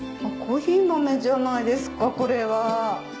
珈琲豆じゃないですかこれは。